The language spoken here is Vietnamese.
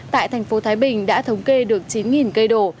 tại thành phố thái bình đã thống kê được chín cây đổ